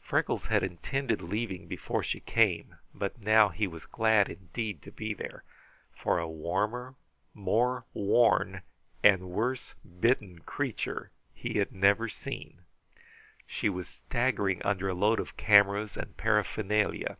Freckles had intended leaving before she came, but now he was glad indeed to be there, for a warmer, more worn, and worse bitten creature he never had seen. She was staggering under a load of cameras and paraphernalia.